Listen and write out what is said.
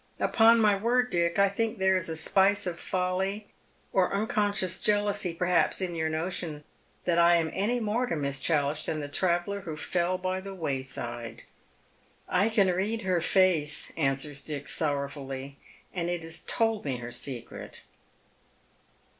Upon my word, Dick, I think there is a spice of folly — or unconscious jealousy, perhaps — in your notion that I am any more to Miss Challice than the traveller who fell by the wayside." " I can read her face," answers Dick, sorrowfully, " and it has told me her secret."